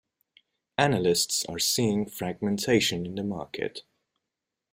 Analysts are seeing fragmentation in the market.